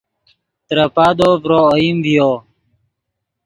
ترے پادو ڤرو اوئیم ڤیو